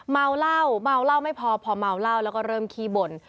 เมาเหล้าเมาเหล้าไม่พอพอเมาเหล้าแล้วก็เริ่มขี้บ่น